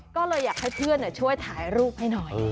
ก็เลยอยากให้เพื่อนช่วยถ่ายรูปให้หน่อย